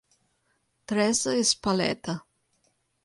Teresa és paleta